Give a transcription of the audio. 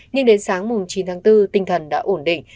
nhưng đến sáng chín tháng bốn tinh thần đã ổn định